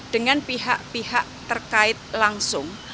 dengan pihak pihak terkait langsung